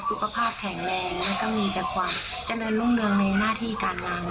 สุขภาพแข็งแรงแล้วก็มีแต่ความเจริญรุ่งเรืองในหน้าที่การงาน